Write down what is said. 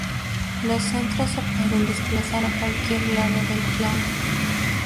Los centros se pueden desplazar a cualquier lado del plano.